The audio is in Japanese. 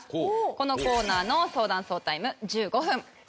このコーナーの相談総タイム１５分と致します。